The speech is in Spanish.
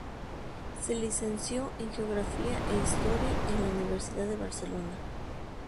Se licenció en Geografía e Historia en la Universidad de Barcelona.